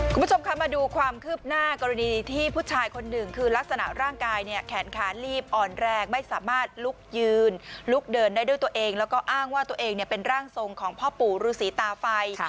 คุณผู้ชมคะมาดูความคืบหน้ากรณีที่ผู้ชายคนหนึ่งคือลักษณะร่างกายเนี่ยแขนขาลีบอ่อนแรงไม่สามารถลุกยืนลุกเดินได้ด้วยตัวเองแล้วก็อ้างว่าตัวเองเป็นร่างทรงของพ่อปู่ฤษีตาไฟ